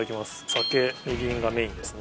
酒みりんがメインですね。